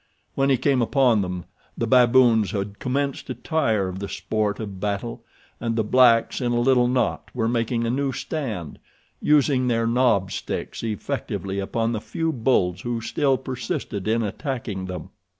When he came upon them the baboons had commenced to tire of the sport of battle, and the blacks in a little knot were making a new stand, using their knob sticks effectively upon the few bulls who still persisted in attacking them.